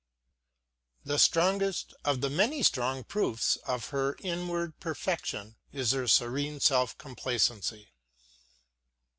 The strongest of the many strong proofs of her inward perfection is her serene self complacency.